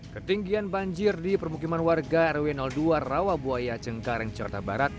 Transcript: ketinggian banjir di permukiman warga rw dua rawabuaya cengkareng certa barat